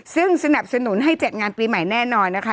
ซึ่งสนับสนุนให้จัดงานปีใหม่แน่นอนนะคะ